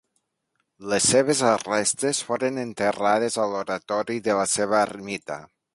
Les seves restes foren enterrades a l'oratori de la seva ermita.